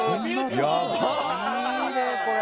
いいねこれ！